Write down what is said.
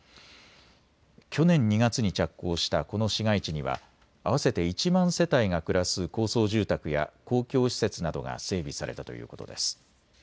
去年２月に着工したこの市街地には合わせて１万世帯が暮らす高層住宅や公共施設などが整備されたということです。